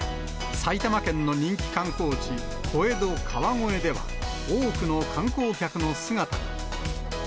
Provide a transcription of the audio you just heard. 埼玉県の人気観光地、小江戸、川越では、多くの観光客の姿が。